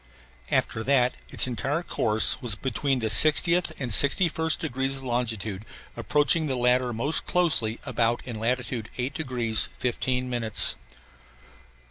After that its entire course was between the 60th and 61st degrees of longitude approaching the latter most closely about in latitude 8 degrees 15 minutes.